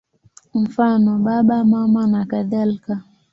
Mfano: Baba, Mama nakadhalika.